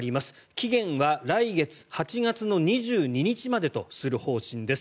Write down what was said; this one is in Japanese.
期限は来月８月の２２日までとする方針です。